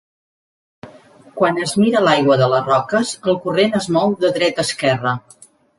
Quan es mira l'aigua de les roques, el corrent es mou de dreta a esquerra.